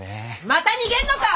また逃げんのか！